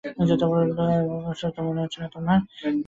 পূর্বশ্রুত বলে মনে হচ্ছে না তোমার?